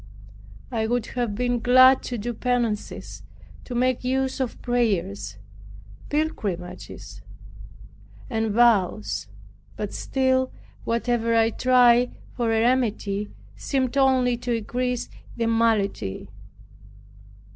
I would have been glad to do penances, to make use of prayers, pilgrimages, and vows. But still, whatever I tried for a remedy seemed only to increase the malady.